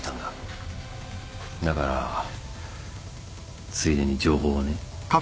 だからついでに情報をね。